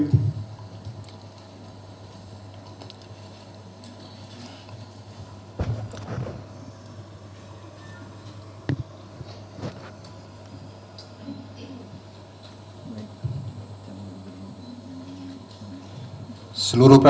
terus terang dengan hati yang berat